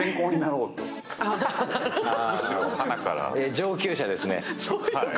上級者ですね。